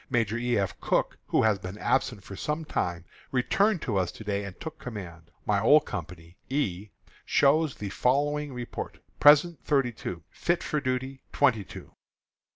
Major E. F. Cooke, who has been absent for some time, returned to us to day and took command. My old company, E, shows the following report: Present, thirty two; fit for duty, twenty two.